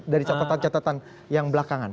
dari catatan catatan yang belakangan